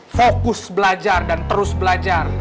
fokus belajar dan terus belajar